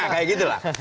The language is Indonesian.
kayak gitu lah